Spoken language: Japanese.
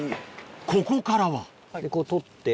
ここからはこう取って。